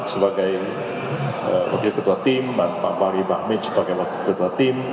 sebagai wakil ketua tim dan pak fahri bahmin sebagai wakil ketua tim